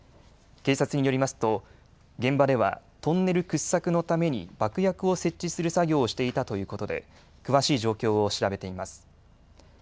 警察によりますと現場ではトンネル掘削のために爆薬を設置する作業をしていたということで詳しい状況を調べています。